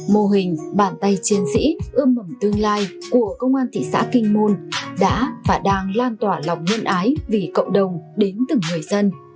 mô hình bàn tay chiến sĩ ươm mầm tương lai của công an thị xã kinh môn đã và đang lan tỏa lòng nhân ái vì cộng đồng đến từng người dân